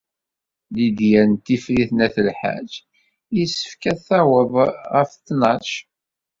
Lidya n Tifrit n At Lḥaǧ yessefk ad taweḍ ɣef ttnac.